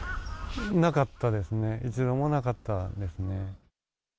なかったですね、一度もなかったですね。